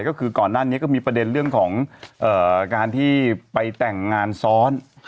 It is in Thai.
ก็คือก่อนหน้านี้ก็มีประเด็นเรื่องของการที่ไปแต่งงานซ้อน